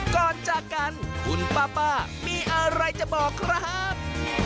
ก่อนจากกันคุณป้ามีอะไรจะบอกครับ